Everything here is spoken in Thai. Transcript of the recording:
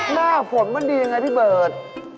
หน้าฝนมันดียังไงพี่เบิร์ต